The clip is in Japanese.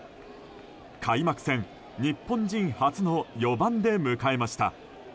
開幕戦日本人初の４番で迎えました。